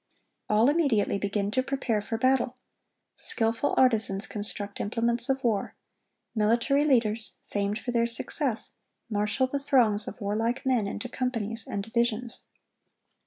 All immediately begin to prepare for battle. Skilful artisans construct implements of war. Military leaders, famed for their success, marshal the throngs of warlike men into companies and divisions.